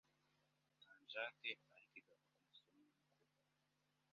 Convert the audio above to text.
tangent ariko igaruka kumasomo nyamukuru